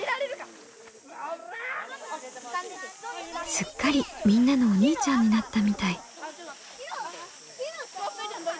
すっかりみんなのお兄ちゃんになったみたい。